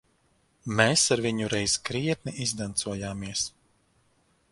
Mēs ar viņu reiz krietni izdancojāmies.